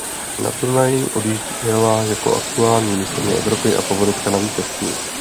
Na turnaj odjížděla jako aktuální mistryně Evropy a favoritka na vítězství.